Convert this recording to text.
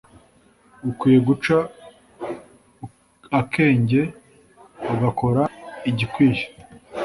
ukwiye guca akenge ugakora igikwiye